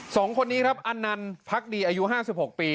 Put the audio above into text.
อ๋อสองคนนี้ครับอันนันพักดีอายุห้าสิบหกปี